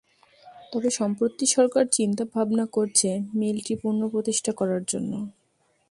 তবে সম্প্রতি সরকার চিন্তা ভাবনা করছে মিলটি পুনঃপ্রতিষ্ঠা করার জন্য।